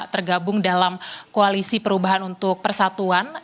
tergabung dalam koalisi perubahan untuk persatuan